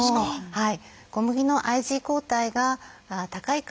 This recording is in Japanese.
はい。